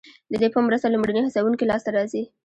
ددې په مرسته لومړني هڅوونکي لاسته راځي.